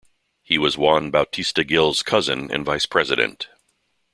He was Juan Bautista Gill's cousin and Vice President.